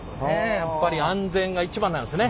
やっぱり安全が一番なんですね。